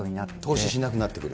投資しなくなってくる？